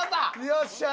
よっしゃ！